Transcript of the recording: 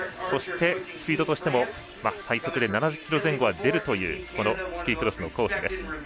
そしてスピードとしても最速で７０キロ前後は出るというこのスキークロスのコースです。